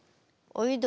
おいど。